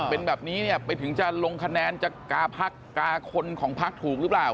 เป็นแบบนี้เนี่ยไปถึงจะลงคะแนนจะกาพักกาคนของพักถูกหรือเปล่า